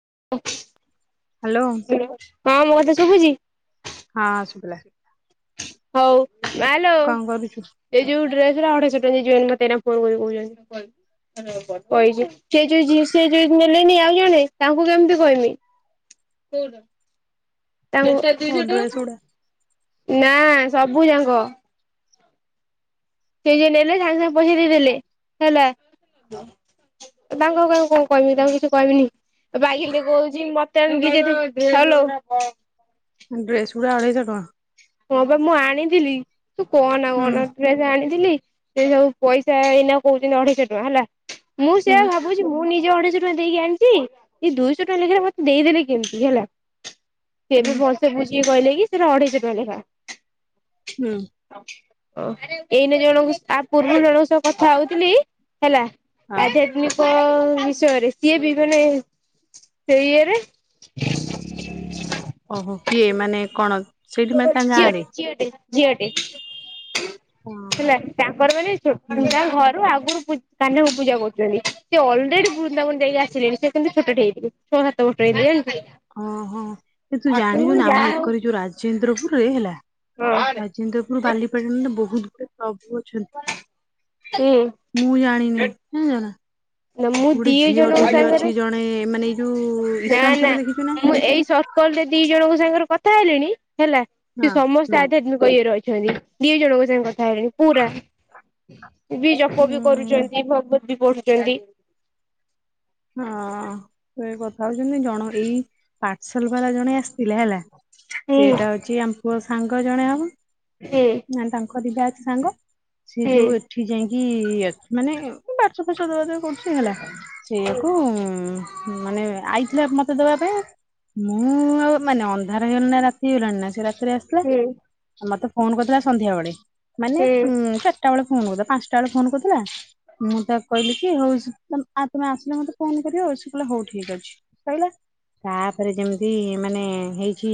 [inaudible] Hello. ହଁ ମୁଁ କତେ ଶୁଭୁଛି। ହଁ ଶୁଭଲା। ହଉ। ମଲୋ ଏ ଯୋଉ ଡ୍ରେସ ଗୁଡା ଅଢେଶେ ଟଙ୍କା। ଯଉେ ଆଉ ଜଣେ ତାଙ୍କୁ କେମତି କହମି [unintelligible] [inaudible] ମୋ ଡ୍ରେସ ଗୁଡା ନା ସବୁ ଯାକ। ସେ ଯ ନେଲେ ସାଙ୍ଗେ ସାଙ୍ଗେ ପଇସା ଦେଇଦେଲେ ହେଲା, ତାଙ୍କ କକୁ କଣ କହିବି ତାଙ୍କୁ କିଛି କହିବିନି କହୁଛି ମତେଲ। ଡ୍ରେସକୁଡ଼ା ଆଡ଼େସ ଟଙ୍କା। ହଁ ବା ମୁଁ ଆଣିଥିଲି। ତୁ କଣ ଆ ହୁଁ କଣ ଜାଣିଥିଲି। ସେ ସବୁ ପଇସା ଏଇନା କହୁଛନ୍ତି ଅଢେଇଶହ ଟଙ୍କା ହେଲା। ମୁଁ ହୁଁ ସେଆ ଭାବୁଛି ମୁଁ ନିଜ ଅଢେଇଶହ ଟଙ୍କା ଦେଇକି ଆଣିଛି ଏ ଦୁଇଶହ ଟଙ୍କା ଲେଖିଲା ମତେ ଦେଇଦେଲେ କେମିତି ହେଲା। ସେ ବି ହୁଁ ଭଲସେ ବୁଝ କି କହିଲେ ସେ ଅଢେଇ କ ହ ହୁଁ। ଓ ଏଇନ ଜଣଙ୍କୁ ଆ ପୂରୁବ ଜଣଙ୍କ ସହ କଥା ହଉଥିଲି। ହେଲା ହଁ ଆଧ୍ୟାତ୍ମିକ ବିଷୟରେ ସିଏ ବି ମାନେ ସେ ଇଏରେ ଓହୋ କିଏ ମାନେ କଣ ସେଇଠି ମ ତାଙ୍କ ଗାଁ ରେ ଯଝିଅଟି ହେଲା ତାଙ୍କର ମାନେ ଛୋଟ ହୁଁ। ପିଲା ଘରୁ ଆଗରୁ କା୍ନାକୁ ପୂଜା କରୁଛନ୍ତି ସେ ଅଲରେଡି ବୃନ୍ଦାବନ ଯକ ଆସିଲେଣି ସେନ୍ତୁ ଛୋଟ ହେଇଥିଲେ ଛଅ ସାତ ବର୍ଟ ହେଇଥିଲେ। ମୁଁ ଓହୋ କି ତୁ ଜାଣିଛୁ କହିଲି ନା ଯାହା ଆମ ହଉ ଏକରି ଯୋଉ ଇନ୍ଦ୍ରପୁରରେ ଯାଇହେଲା। ହଁ ରାଜେନ୍ଦ୍ରପୁର ବାଲିପାଟା ବହୁତ ଗୁ [unintelligible] ଅଛନ୍ତି ହୁଁ ମୁଁ ଜାଣିନି କ ଜଣିଚନା। ନା ମୁଁ ଗୋଟେ ଦି ଝିଅଟି ଜଣଙ୍କ ବି ସାଙ୍ଗରେ ଅଛି ଜଣେ ମାନେ ଯୋଉ ନା ଇସ୍ୱାଂଶର ନା ଦେଖିଛୁ ମୁଁ ଏଇ ସର୍କଲ ରେ ଦି ଜଣଙ୍କ ସାଙ୍ଗରେ କଥା ହେଲେଣି। ହେଲା ହଁ ସେ ସମସ୍ତେ ହୁଁ। ଆଧ୍ୟାତ୍ମିକ ଇଏରେ ଅଛନ୍ତି ଦିଇ ଜଣଙ୍କ। [unintelligible] ରେ ପୁରା [inaudible] ବି ଜପ ବି ହୁଁ। କରୁଚନ୍ତି ନାଇ ଭଗ ବି ପଢୁଛନ୍ତି। ହଁ ସେ କଥା ହଉଛନ୍ତି ଜଣ ଏଇ ପାର୍ସଲ ବାଲା ଜଣେ ଆସି ଥିଲା ହେଲା ହୁଁ ସେଏଟା ହଉଛି ଆମ ପୁଅ ସାଙ୍ଗ ଜଣେ ହେବ। ହେ କ ଯ ଅଛି ସାଙ୍ଗ ସିଏ ଯୋଉ ଏଠି ଯାଇଁକି କି ଅଛି ମାନେ ବାସ ଫାସ ଦବା ଯୋଉ। କରୁଛି ହେଲା। ସେଇିଆକୁ ଉଁ ମାନେ ଆଇଥିଲା ମତେ ଦବା ପାଇଁ ମୁଁ ଆଉ ମାନେ ଅନ୍ଧାର ହେଇଗଲାଣି ନା ରାତି ହେଇଗଲାଣି ନା ସେ ରାତି ପରେ ଆସିଲା ହୁଁ ଆ ମତେ ଫୋନ କରିଥିଲା ସନ୍ଧ୍ୟାବେଳେ। ମାନେ ଉଁ ଚାରିଟା ବେଳେ। ଫୋନ୍ କରିଥିଲା ପାଞ୍ଚଟା ବେଳେ ଫୋନ କରିଥିଲା ମୁଁ ତାକୁ କହିଲି କି ହଉଛି ମ୍ ଆ ତମେ ଆସିଲେ ମତେ ଫୋନ କରିବ ସେ କହିଲେ ହଉ ଠିକ ଅଛି କହିଲା। ତାପରେ ଯେମିତି ମାନେ ହେଇଛି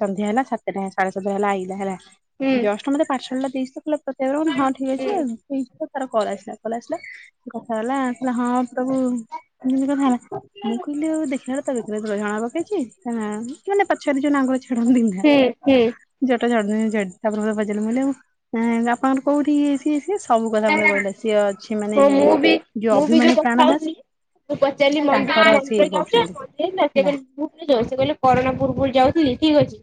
ସନ୍ଧ୍ୟା ହେଲା ସାତଟା ସାଢେ ସାତଟା ହେଲା ଆଇଲା ହେଲା। ହୁଁ ଯଷ୍ଟ ମତେ ପାର୍ସଲ ଟା [unintelligible] [unintelligible] ହଁ ଠିକ୍ ଅଛି ହୁଁ। ଆଉ। ତ ତାର କଳା କଲ୍ ଆସିଲା ସେ କଥା ହେଲା କହିଲା ହଁ। ସବୁ ଜିନ୍ଦି କଥା ହେଲା ମୁଁ କହିଲି ଦେଖିଲ ତା ବେକରେ ଗହଣା ପକେଇଛି ତା ନାଁ ମାନେ ପଛରେ ଯୋଉ ନଙ୍ଗୁର ଛଡାନ୍ତି ନା ହୁଁ ହୁଁ ଯ ତା ପରେ ମତେ ପଚାରିଲେ ମୁଁ କହିଲି ଆପଣଙ୍କର କୋଉଠି କି ସ୍ ସିଏ ସବୁ କଥା ମତେ କହିଲେ। ସିଏ ଅଛି ମାନେ ହଁ ମୁଁ ବି ଯୋଉ ମୁଁ ବି ତ ଅଭିମନ୍ୟୁ ପ୍ରାଣ ଦାସ ହଉଥିଲି ମୁଁ ପଚାରିଲିି ମନ୍ଦି ତାଙ୍କର ସିଏ ମନ୍ଦିର ଇଏ ଯାଉଛ କରୁଛନ୍ତି ମନ୍ଦିର ନା ସେ ହେଲା। କହିଲେ ଘୁମନେ ଯାଉ। ସେ କହିଲେ କରୋନା ପୂର୍ବରୁ ଯାଉଥିଲି ଠିକ ଅଛି।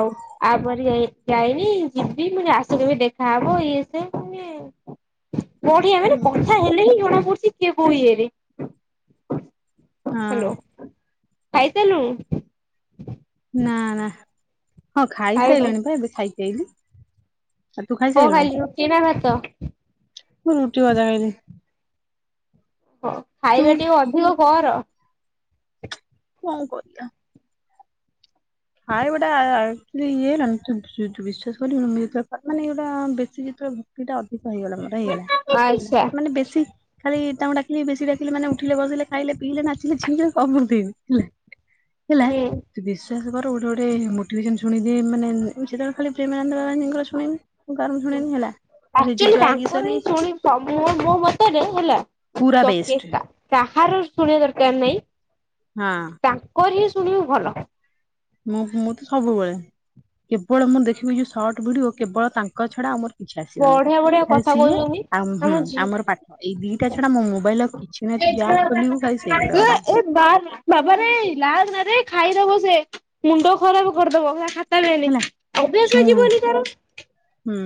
ଆଉ ଆପରେ ଯାଇ ଯାଇନି ଯିବି ମାନେ ଆସିଲେ ବି ଦେଖାହବ ଇଏ ସିଏ ମାନେ। ବଢିଆ ମନେ ହଁ କଥା ହେଲେ ହିଁ ଜଣାପୁଡୁଛି। କିଏ କୋଉ ଇଏରେ। ହଁ। ଖାଇ ସାଲୁଣୁ। ନା ନା ହଁ ଖାଇ ଖାଇନୁ ସାରିଲଣି ବା ଏବେ ଖାଇକି ଆଇଲି। ଆଉ ତୁ କଣ ଖାଇସାରିଲୁଣି? ଖାଇଲୁ ରୁଟି ନା ଭାତ? ମୁଁ ରୁଟି ଭଜା ଖାଇଲି। ହ ତୁ ଖାଇବା ଟିକେ ଅଧିକ କର। କଁ କରିବା। ହଁ ଏଇଗୁଟା ଆ- ଆ। ଇଏ ନା ତ୍-ତୁ ବିଶ୍ଵାସ କରିବୁନି ମାନେ ଏଗୁଟା ବେସି ଯେତେବେଳେ ଭକ୍ତିଟା ଅଧିକ ରହିଗଲା ମୋର ରହିଗଲା। ଆଚ୍ଛା ମାନେ ବେଶି ଖାଲି ତାଙ୍କୁ ଡାକିଲି ବେଶି ଡାକିଲି ମାନେ ଉଠିଲେ ବସିଲେ ଖାଇଲେ ପିଇଲେ ନାଚିଲେ ଛିଙ୍କିଲେ ସବୁଥିରେ। ହେଲା। ହେଲା ହୁଁ। ଯ ବିଶ। ଗୋଟେ ଗୋଟେ ମୋଟିଭେସନ ମାନେ ପ୍ରେ ଆଉ ସେ ଯୋଉ ଆକ୍ଚୁଆଲି ଜୟା ତାଙ୍କର କିଶୋରୀ ହିଁ ଶୁଣି ମୋ ମତରେ ହେଲା। ପୁରା ବେଷ୍ଟ ହାର ଶୁଣିବା ଦରକାର ନାଇଁ ହଁ। ଶୁଣ ଭଲ। ମୁଁ ମୁଁ ତ ସବୁବେଳେ କେବଳ ମୁଁ ଦେଖିବି ଯୋଉ ସର୍ଟ ଭିଡିଓ କେବଳ ତାଙ୍କ ଛଡା ଆମର ବଢିଆ ବଢିଆ କଥା କହୁଛନ୍ତି ଆଉ ହୁଁ ଆମର ପାଠ ଏଇ ଦିଟା ଛଡା ମୋ ମୋବାଇଲ ଆଉ କିଛି ନାହିଁ ଝିଅ ତୁ ଯାହା ଆରେ ଖୋଲିବୁ ଖାଲି ସେଇଗୁଡା ବାହାରିବ ବାବା ରେ। [inaudible] ଖାଇଦବ ସେ ମୁଣ୍ଡ ଖରାପ କରିଦବ। ତାନି ହେଲା ଅଭ୍ୟାସ ଶୁଣୁ ଯିବନି ତାର। ହୁଁ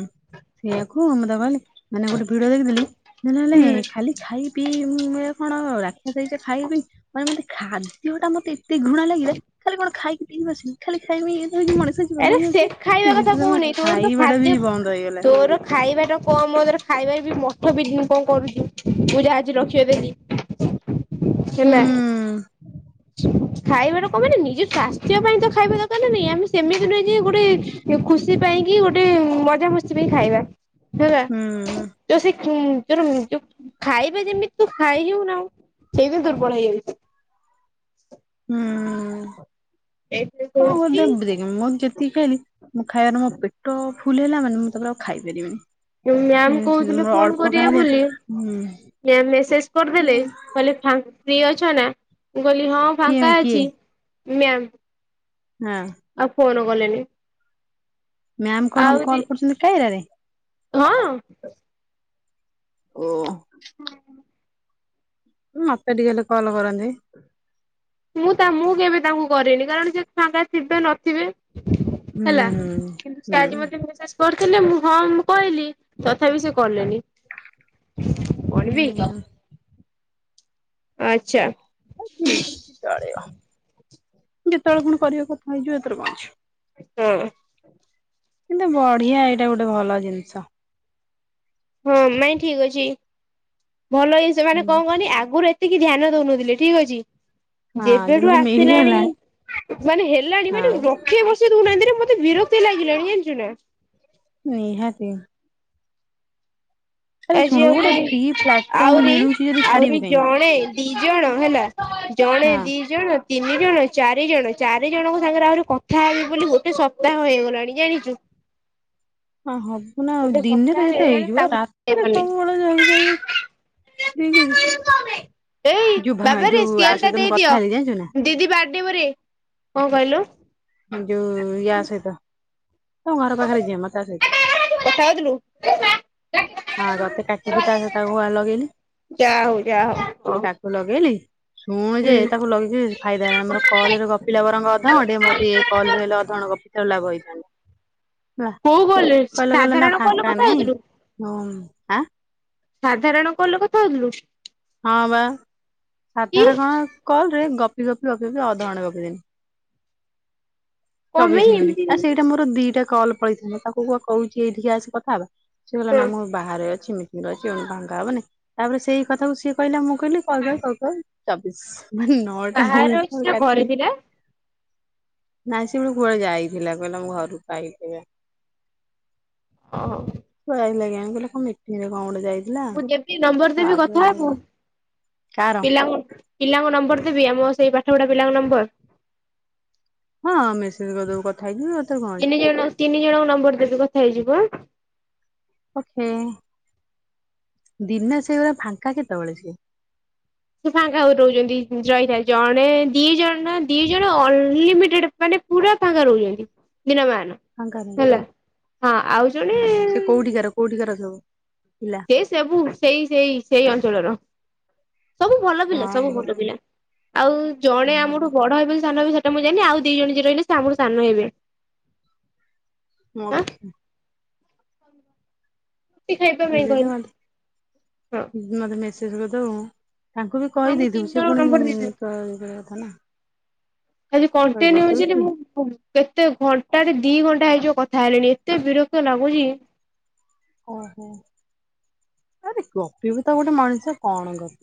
ସେଇଆକୁୁ ଆମ। ମାନେ ଗୋଟେ ଭିଡିଓ ଦେଖିଥିଲି ହେଲେ ହୁଁ ଖାଲି ଖାଇ ପିଇ ହଁ ଏ କଣ ସେଇ ଖାଇବି ମାନେ ମତେ ଖାଦ୍ୟଟା ମତେ ଏତେ ଘୃଣା ଲାଗିଲା ଖାଲି କଣ ଖାଇକି ପିଇକି ବସିବି, ଖାଲି ଖାଇ ଖାଇମି ଇଏ କରିବି ମଣିଷ ଜୀବନ ଆରେ ହିଁ ସେ ଏମତି, ଖାଇବା କଥା [unintelligible] କହୁନି ତୋର ତ ଖାଇବା ଟା ବି ଖାଦ୍ୟ ବନ୍ଦ ହେଇଗଲା ତୋର ଖାଇବାଟା [unintelligible] ଖାଇବା ମଠ ବି କଁ କରୁଛି ମୁଁ ଯା ଆଜି ରଖେଇ ଦେଲି। ହୁଁ ହେଲା। ଖାଇବାଟା କଁ ପାଇଁ ନା ନିଜ ସ୍ୱାସ୍ଥ୍ୟ ପାଇଁ ତ ଖାଇବା ଦରକାର ନା ନାଇଁ ଆମେ ସେମିତି ନୁହେଁ ଯେ, ଗୋଟେ ଖୁସି ପାଇଁ କି ଗୋଟେ ମଜାମସ୍ତି ପାଇଁ ଖାଇବା। ହେଲା, ହୁଁ ତ ସେ [unintelligible] ତୋର ଖାଇବା ଯେମିତି ତୁ ଖାଇଯଉ ନା ଆଉ ସେଇଥିପାଇଁ ଦୁର୍ବଳ ହେଇଯାଉଛୁ। ହୁଁ। ଏଇଥିପାଇଁ କଣ କହୁଛି ଗୋଟେ [unintelligible] [unintelligible] ମୁଁ [unintelligible] ମୋ ପେଟ ଭୁଲ ହେଲା ମାନେ ମୁଁ ତାପରେ ଆଉ ଖାଇପାରିବିନି। ମ୍ୟାମ୍ କହୁଥିଲେ ମୋର ଫୋନ୍ ଅଳ୍ପ କରିବେ ଖାଇଲେ ବୋଲି, ହୁଁ ମେ-ମେସେଜ କରିଦେଲେ କହିଲେ ଫା ଫ୍ରି ଅଛ ନା? ମୁଁ କହିଲି ହଁ କିଏ ଫାଙ୍କା କିଏ ଅଛି। ମ୍ୟାମ୍ ହଁ ଆଉ ଫୋନ୍ ଗଲେନି [inaudible] ମ୍ୟାମ କଣ କଲ କରୁଛନ୍ତି କାଇୟାରେ। ହଁ ଓ! ମତେ ଟିକେ ହେଲେ କଲ କରନ୍ତି। ମୁଁ ତା ମୁଁ କେବେ ତାଙ୍କୁ କରେନି କାରଣ ସେ ଫାଙ୍କା ଥିବେ ନଥିବେ। ହୁଁ ହେଲା କିନ୍ତୁ ସେ ହୁଁ। ଆଜି ମତେ ମେସେଜ କରିଥିଲେ ମୁଁ ହଁ ମୁଁ କହିଲି ତଥାପି ସେ କଲେଣି। ନା। ଆଚ୍ଛା। ଠିକ ଅଛି ଚଳିବ। ଯେତେବେଳେ ଫୁଣି କରିବ କଥା ହେଇଯିବା। ତରବା [inaudible] ହଁ। କିନ୍ତୁ ବଢିଆ ଏଇଟା ଗୋଟେ ଭଲ ଜିନିଷ। ହଁ! ନାଇଁ ଠିକ ଅଛି। ଭଲ ଇ ସେମାନେ କଣ କହନି ଆଗରୁ ଏେ ସେତିିକେ ଧ୍ୟାନ ଦଉନଥିଲେ ଠିକ୍ ଅଛି। ହଁ ଯେବେଠୁ ଯେମିତି ଆସିଲାଣି ମିଳିଗଲା ମାନେ ହେଲାଣି ମାନେ ହଁ ରଖେଇ ବସେଇ ନାହାନ୍ତି [inaudible] ନା ମତେ ବିରକ୍ତି ଲାଗିଲାଣି ଜାଣିଛୁ ନା। ନିହାତି। ଆରେ ଆଜି ଶୁଣୁ ଆ ଗୋଟେ ଫ୍ରି ପ୍ଲାଟଫର୍ମ ଆହୁରି ମିଳୁଛି ଯଦି ଆହୁରି ଛାଡିବୁ କାହିଁକି ଜଣେ ଦି ଜଣ ହେଲା ଜଣେ ହଁ। ଦି ଜଣ ତିନି ଜଣ ଚାରି ଜଣ ଚାରି ଜଣଙ୍କୁ ସାଙ୍ଗରେ ଆହୁରି କଥା ହେବି ବୋଲି ଗୋଟେ ସପ୍ତାହ ହେଇଗଲାଣି ଜାଣିଛୁ। ଅହ [unintelligible] ଦେଖୁ ନାଉ ଗୋଟେ ସପ୍ତାହ ଦିନରେ ଯେତେ ହେଇଗଲାଣି ହେଇଯିବ ତାଙ୍କୁ ରାତିରେ ଦେଇପାରୁନି। ସବୁବେଳେ ହେଇ ରିବ ଅଛି [inaudible] ଏଇ ଯୋଉ ଭା ବାବାରେ ଯୋଉ ଆ ସ୍କେଲ ଟା ସହିତ ମୁଁ କଥା ଦେଇଦିଅ। ହେଲି ଜାଣିଛୁ ନା ଦିଦି ବାଡେଇବରେ କଣ କହିଲ ଯଉ ଇୟା ସହିତ। ତମ ଘର ପାଖରେ ଯିଏ ମ ତା ସହିତ [inaudible] ହଁ ତତେ କାଟିକି ତାସହିତ ତାକୁୁଆ ଲଗେଇଲି। ଯାହା ହଉ ଯାହା ହଉ ତାକୁ ଲଗେଇ [unintelligible] ଶୁଣ ଯେ ହୁଁ ତାକୁ ଲଗେଇଛିି ଫାଇଦା ହେଲାଣି ମୋର କଲ ରେ ଗପିଲା ବରଙ୍ଗ ଅଧଘଣ୍ଟେ ମତେ ଏ କଲରେ ହେଲେ ଅଧଘଣ୍ଟେ ଗପିଥିଲେ ଲାଭ ହେଇ ହୋ [inaudible] କଲୁ ହେଲା କହିଲେ କହିଲେ ନା ସାଧାରଣ କଲ ରୁ ଫାଙ୍କା କଥା ନାଇଁ ହଉଥିଲୁ। ଆଁ। ସାଧାରଣ କଲରେ କଥା ହଉଥିଲୁ। ହଁ ବା କି ସାଧାରଣ କଣ କଲ। ରେ ଗପି ଗପି ଗପି ଗି ଅଧ ଘଣ୍ଟା ଗପି ଲିଣି। କଣ ପାଇଁ ଚବିଶ ଏମିତି ମିନିଟ୍ ଆ କେମିତି ସେଇଟା ମୋର ଦିଟା। କଲ୍ ପଳେଇଥାେ ତାକୁ କୁହ କହୁଛି ଏଇଠିକି ଆସି କଥା ହେବା। ସେ କହିଲା ହଁ ନା ମୁଁ ବାହାରେ ଅଛ। କେମିତି ଆଜି ଭାଙ୍କା ହବନ ତାପରେ ସେଇ କଥାକୁ ସେ। ସେ କହିଲାଁ ମୁଁ। ମୁ କହିଲି କଲ ବ୍ୟକ୍ କର। ଛବିଶ। ନଅଟା ବ ବାହାରେ ଅଛି କଲ ନା ଘରେ କାତିି। ଥିଲା ନା ସେ କୁଆଡେ ଯାଇଥିଲା ପହିଲା ମୁ ଘରକୁ ପାଇି। ସେ କହିଲା କଣ ମିଟିଙ୍ଗ ରେ ଯାଇଥିଲା। ମୁଁ ଯେତି ନମ୍ବର ଦେବି ତାପରେ କଥା ହେବୁ। ଆଇଲା। କାର ପିଲା। ପିଲାଙ୍କ ନମ୍ବର ଦେବି ଆମ ସେଇ ପାଠପଢା ପିଲାଙ୍କ ନମ୍ବର। ହଁ ମେସେଜେ କରିଦବୁକଥା ହେଇଯିବ। ତିନି ଜଣ ତିନି ଜଣଙ୍କ ନମ୍ବର ଦେବି କଥା ହେଇଯିବ। ଓକେ ଦିନ ସାରା ସେଗୁଡା ଫାଙ୍କା କେତେବେଳେ ସେ। ସେ ଫାଙ୍କା ଆଉ ରହୁଛନ୍ତି ଯଇରାଇ ଜଣେ ଦି ଜଣ ନା ଦି ଜଣ ଅନଲିମିଟେଡ ମାନେ ପୁରା ଫାଙ୍କା ରହୁଛନ୍ତି। ଦିନ ମାନ ଫାଙ୍କା ରହୁଛି। ହେଲା ହଁ ଆଉ ଜଣେ ସେ କୋଉଠିକାର କୋଉଠିକାର ସବୁ ପିଲା ସେଇ ସେବୁ ସେଇ ସେଇ ସେଇ ଅନଞ୍ଚଳର। ସବୁ ଭଲ ପିଲା ହଁ ସବୁ ଭଲ ପିଲା। ଆଉ ଜଣେ ଆମଠୁ ବଡ ହେବେ ହେ ସେଟା ମୁଁ ଜାନି ଆଉ ଦି ଜଣ ଯିଏ ରହିଲେ ସେ ଆମଠୁ ସାନ ହେବେ ହଁ [inaudible] ରୁଟି ଖାଇବା ପାଇଁ ବିଜ କହିଲେ ମାତ ହଁ ମତେ ମେସେଜ କରିଦେବୁ। ତାଙ୍କୁ ବି ହଁ ମୁଁ ତିନି କହିଦେଇଥିବୁ ସେ ଜଣ ପୁଣି ନମ୍ବର ଦେଇଦେବି କ କଥା ନାଁ ଆଜି କଣ୍ଟିନ୍ୟଛି ମୁଁ କେତେ ଘଣ୍ଟାରେ ଦି ଘଣ୍ଟା ହେଇଯିବ କଥା ହେଲିଣି ଏତେ ବିରକ୍ତ ଲାଗୁଛି। ଓହୋ ଆରେ ଗୋପୀ ବି ତ ଗୋଟେ ମଣିଷ କଣ ଗପି।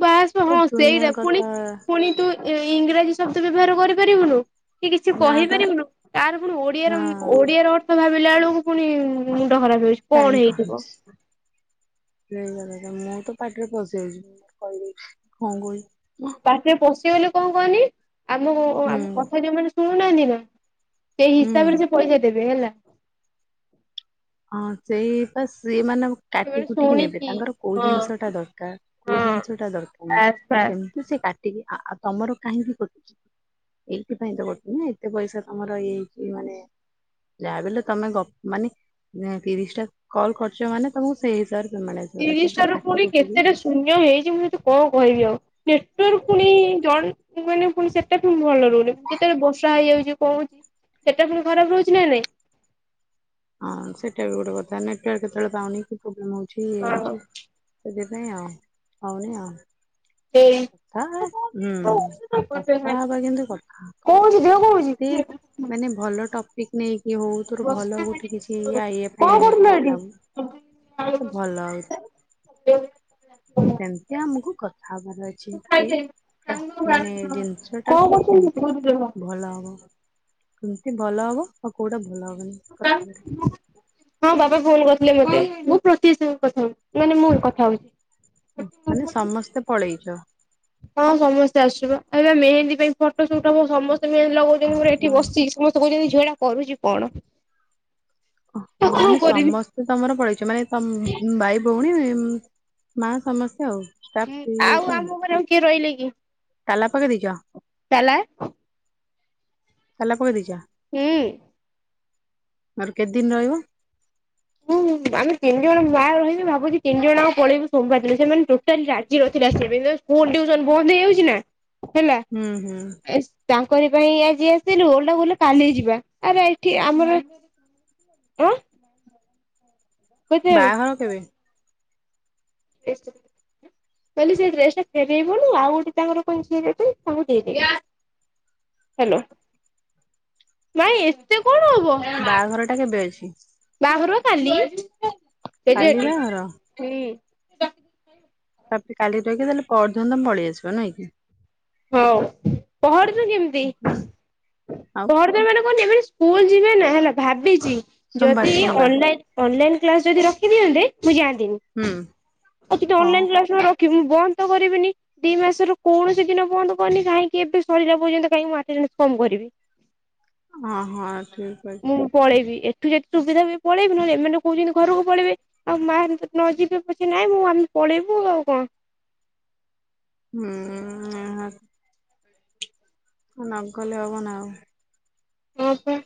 ବାସ ହଁ ସେଇଟା ପୁଣି କଥା ପୁଣି ତୁ ଇଂରାଜୀ ସତ୍ୟ ବ୍ୟବହାର କରିପାରିବୁନୁ କି କିଛି ନା ପା କହିପାରିବୁନୁ ତାର ପୁଣି ହଁ ଓଡିଆର ଓଡିଆ ର ଅର୍ଥ ଭାବ ପିଲା ବେଳକୁ ପୁଣି ମୁଣ୍ଡ ଖରାପ ହେଇଛି କଣ ହେଇଥିବ ସେଇ କଥା ତ ପାଟିରେ ପଶି ଯାଉଛି କହିଦେଉଛି କଣ କହିବି ପାଟିରେ ପଶିବ ବୋଲି କଣ କହନି ଆମ ଆମ କଥା ଯୋଉ ମାନ ଶୁଣୁ ନାହାନ୍ତିନା ସେଇ ହୁଁ ହିସାବରେ ସେ ପଇସା ଦେଇ [inaudible] ହଁ ସେଇ ସିଏ ମାନେ କାଟି ସେମାନେ କଟିକି ନେବେ ଶୁଣିକି ତାଙ୍କର କୋଉ ହଁ ଜିନିଷ ଟା ଦରକାର କୋଉ ହଁ ଜିନିଷ ଟା ଦରକାର ନା ବାସ୍ ବାସ୍ ସେମିତି ସେ କାଟି [inaudible] ତମର କାହିଁକି କଟୁଛି ଏଇଥିପାଇଁ ତ କଟୁଛିି ନା ଏତେ ପଇସା ତମର ଇଏ ହେଇଛି ମାନେ ଯାହା ବଲେ ତମେ ଗ ମାନେ ନାଁ ତିରିଶ ଟା କଲ ଖର୍ଚ୍ଚ ମାନେ ତମକୁ ସେଇ ହିସାବରେ ପେମେଣ୍ଟ ଆସିବ ସେ ପୁରା ତିରିଟା ରୁ କାଟି ପୁଣି କୁଟିକି କେତେଟା ଶୂନ୍ୟ ହେଇଛି ମୁଁ ତତେ କଣ କହିବି ଆଉ ନେଟୱର୍କ ଫୁଣି ମାନେ ପୁଣି ସେଟା ପୁଣି ଭଲ ରହୁନି ଯେତେବେଳେ ବର୍ଷା ହେଇଯାଉଛି କହୁଛି ସେଟା ପୁଣି ଖରାପ ରହୁଛି ନା ନାଇଁ ହଁ ସେଇଟା ବି ଗୋଟେ କଥା ନେଟୱାର୍କ କେତେବେଳେ ପାଉନି ପ୍ରୋବଲେ ହଉଚି ଠିକ ହଁ ଅଉଛି ସେ। [unintelligible] ହହୁନ ଆ। ସେଇ କଥା ହୁଁ କଣ ହଉଛି ଦେହ କଣ କଥା ହେବା କିନ୍ତୁ କଥା ହଉଛି ଯେତେ ମାନେ ଭଲ ଟପ ପିକନିକ ଇଏ ହଉ ତୋର ଭଲ ଗୋଠି କିଛି ଇା ଇା ପାଇଁ କଣ ହଉ କରୁଥିଲ କଥା ଏଠି? ହବୁ ତ ଭଲ ଆଉ ସେମିତି ଆମକୁ କଥା ହବାର ଅଛି କି ମାନେ ଜିନିଷ ଟା କି ଏମିତି ଭଲ ହବ। କେମିତି ଭଲ ହବ ଆଉ କୋଉଟା ଭଲ ହବନି କଥା ହଁ ବାବା ଫୋନ୍ କରି ମୁଁ ପ୍ରତି ସାଙ୍ଗରେ କଥା ହଉଛି ମାନେ ମୋର କଥା ହଉଛି। ମାନେ ସମସ୍ତେ ପଳେଇଛ। ହଁ ସମସ୍ତେ ଆସିବ ଆଉ ଏ ମେହେନ୍ଦୀ ପାଇଁ ଫଟୋ ଫଟ ସମେ ତମେ ମେହେନ୍ଦି ଲଗଉଛ ମୋର ଏଠି ବସି ସମସ୍ତେ କହୁଛନ୍ତି ଝିଅଟା। କରୁଛିୁ କଣ? ଆଉ ହୋ କଣ ମାନେ କରିବି ସମସ୍ତେ ତମର ପଳେଇଛ ମାନେ ତ ଭାଇ ଭଉଣୀ ପୁଣି ମା ସମସ୍ତେ ଆଉ? ଷ୍ଟାଫ୍ ହୁଁ କିଏ ଯାଇଛ ଆଉ ଆମ ଘରେ କିଏ ରହିଲେ କି? କି। ତାଲା ପକେଇ ଦେଇଛ? ତାଲା। ତାଲା ପକେଇଦେଇଚ। ହେଁ। ମର କେତେ ଦିନ ରହିବ? ହୁଁ ଆମେ ତିନି ଜଣ ମାଆ ରହିବି ଭାବୁଛି ତିନି ଜଣ ଆକ ପଳେଇିବୁ ସଂଵାର ଦିନ ସେମାନେ ଟୋଟାଲି ରାଜି ନ ଥିବେ ସ୍କୁଲ ଟିଉସନ ବନ୍ଦ ହେଇଯାଉଛି ନା। ହେଲା ହୁଁ ହୁଁ ଏ ତା ଟାଙ୍କରି ପାଇଁ ଆଜି ଆସିଥିଲୁ ଓଲଟା କହିଲେ କାଲି ଯିବା ଆରେ ଏଠି ଆମର ଆଁ। କେତେବେଳେ? ବାହାଘର କେବେ? କାଲି ସେ ଡ୍ରସ ଟା ଫେରେଇବନି ଆଉ ଗୋଟେ ତାଙ୍କର ଫେରେଇବେ ତାଙ୍କୁ ଦେଇଦେବି ଗ୍ୟାସ ହାଲୋ ନାଇଁ ଏତେ କଣ ହବ ବାହାଘର ଟା କେବେ ଅଛି? ବାହାଘର କାଲି? ସେଇ ଝିଅ କାଲି ବାହାଘର ଟି? ତମେ କାଲି ରହିକି ତାହେଲେ ପର୍ଦିନ ତମେ ପଳେଇଆସିବ ନାଇଁ କି? ହଉ ପହଁରିଲୁ କେମିତି ଆଉ ପହଁରଦ ମାନେ କଣ ଯିବେନି ସ୍କୁଲ ଯିବେ ନା ହେଲା ଭାବିଛି। ସୋମବାର ଯଦି ସୋମବାର ଅନଲାଇନ ଅନଲାଇନ୍ କ୍ଲାସ ଯଦି ରଖିଦିଅନ୍ତେ? ମୁଁ ଯାଆନ୍ତିନି ହୁଁ ଆଉ ସେ ତ ହଁ ଅନଲାଇ କ୍ଲାସଉରା ର କି ମୁଁ ବନ୍ଦ ତ କରିବିନି ଦି ମାସ ର କୌଣସି ଦିନ ବନ୍ଦ କରନି କାହିଁକି ଏବେ ସରିଲା ପର୍ଯ୍ୟନ୍ତ କାହିଁକି ମୁଁ ଆଟେଣ୍ଡାଣ୍ଟ କମ କରିବି। ହଁ ହଁ ଠିକ୍ ଅଛି। ତୁ ଯଦି ସୁବିଧା ହୁଏ ପଳେଇବୁ ନହଲେ ଏମାନେ କୋହୁଛନ୍ତି ଘରକୁ ପଳେଇବେ ଆଉ ମା ବି ପ-ନଯିବେ ପଛେ ନାଇଁ ମୁଁ ଆମେ ପଳେଇବୁ ଆଉ କଣ। ହୁଁ ଏହା ନ ଗଲେ ହବନା ଆଉ। ହଁ ପା।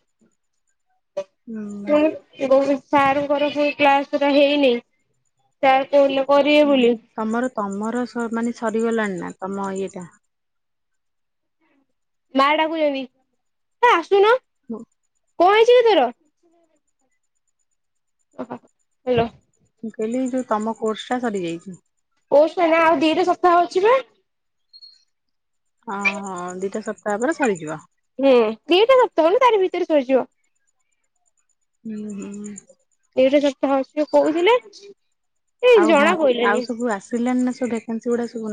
ହୁଁ ଉଁ ଗହ ସାରଙ୍କର ସେଇ କ୍ଲାସରା ହେଇନି ସାର୍ କହୁଥିଲେ କରିବେ ଉଁ ବୋଲି ତମର ତମର ସ-ମାନେ ସରିଗଲାଣି ନା? ତମ ଇଏଟା। ମା ଡାକୁଚନ୍ତି ହେ ଆସୁନ। ହୁଁ। କଣ ହୋଇଚି କି ତୋର? ଆ ହାହା ହାଲୋ। ମୁଁ କହିଲି ଏଇ ଯୋଉ ତମ କୋର୍ସଟା ସରିଯାଇଚି। କୋର୍ସ ପାଇଁକା ଆଉ ଦିଟା ସପ୍ତାହ ଅଛି ପା। ହଁ ହଁ ଦିଟା ସପ୍ ତାପରେ ସରିଯିବ। ହୁଁ ଦିଟା ସପ୍ତାହ ମାନେ ତାରି ଭିତରେ ସରିଯିବ। ଉଁ ହୁଁ। ଏଇଟା ସପ୍ତାହ ଆସିବ କୋହୁଥିଲେ କାଇଁ ଆଉ ଭା ଆଉ ଜଣାପଇଲାନି। ସବୁ ଆସିଲାଣି ନା ସବୁ ଭେକାନ୍ସି ଗୁଡା ସବୁ?